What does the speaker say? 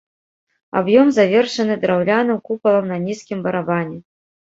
Аб'ём завершаны драўляным купалам на нізкім барабане.